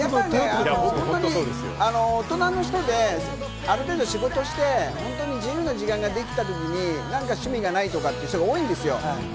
本当に大人の人で、ある程度、仕事して自由な時間ができた時に何か趣味がないとかっていう人が多いんですよ。